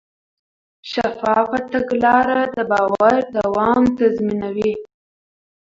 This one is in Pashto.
شفافه تګلاره د باور دوام تضمینوي.